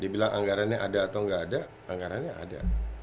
dibilang anggarannya ada atau nggak ada anggarannya ada